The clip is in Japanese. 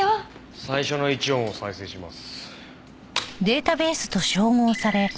最初の１音を再生します。